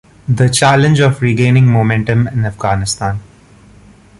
The Challenge of Regaining Momentum in Afghanistan.